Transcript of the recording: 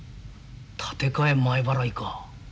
立て替え前払いか。